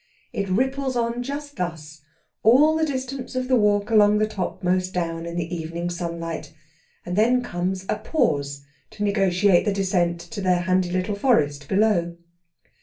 It ripples on just thus, all the distance of the walk along the topmost down, in the evening sunlight, and then comes a pause to negotiate the descent to their handy little forest below.